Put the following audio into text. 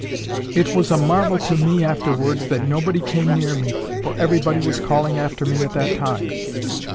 It was a marvel to me afterwards that nobody came near me, for everybody was calling after me at that time.